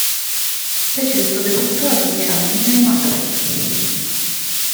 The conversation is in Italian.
Fece il suo debutto a dodici anni nel "Macbeth".